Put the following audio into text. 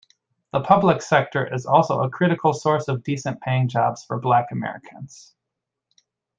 The public sector is also a critical source of decent-paying jobs for Black Americans.